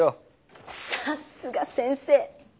さっすが先生。